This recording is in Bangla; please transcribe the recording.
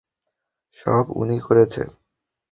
সব উনি করেছে।